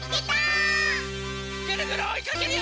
ぐるぐるおいかけるよ！